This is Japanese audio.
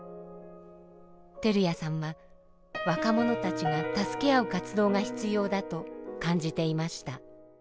照屋さんは若者たちが助け合う活動が必要だと感じていました。